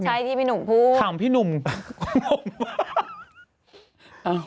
ใช่ที่พี่หนุ่มพูด